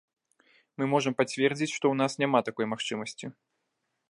Мы можам пацвердзіць, што ў нас няма такой магчымасці.